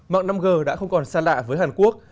mạng năm g đã không còn xa lạ với hàn quốc